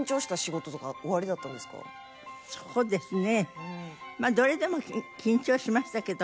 そうですね。